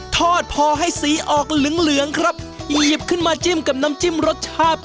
ทอดพอให้สีออกเหลืองเหลืองครับหยิบขึ้นมาจิ้มกับน้ำจิ้มรสชาติ